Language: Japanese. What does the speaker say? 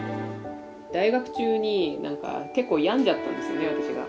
大学中になんか結構病んじゃったんですよね私が。